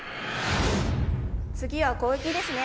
次は攻撃ですね。